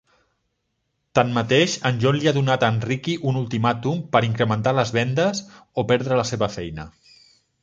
Tanmateix, en John li ha donat a en Ricky un ultimàtum per incrementar les vendes, o perdre la seva feina.